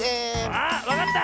あっわかった！